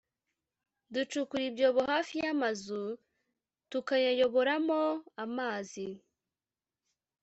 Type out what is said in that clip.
ducukura ibyobo hafi y’amazu tukayayoboramo amazi